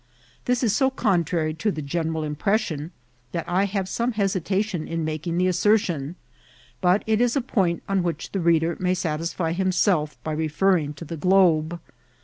This is so contrary to the general impression diat I have some hesitation in making the assertion, but it is a point on whidi the reader may satisfy himself by referring to the globe.